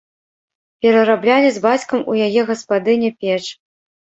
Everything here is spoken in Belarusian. Перараблялі з бацькам у яе гаспадыні печ.